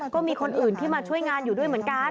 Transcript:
ก็มีคนอื่นที่มาช่วยงานอยู่ด้วยเหมือนกัน